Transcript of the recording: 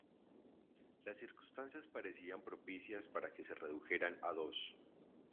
Las circunstancias parecían propicias para que se redujeran a dos.